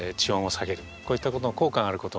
こういったことの効果があることをね